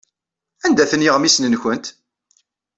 Anda-ten yeɣmisen-nwent?